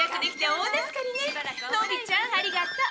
のびちゃんありがとう。